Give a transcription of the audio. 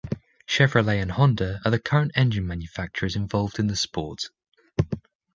Chevrolet and Honda are the current engine manufacturers involved in the sport.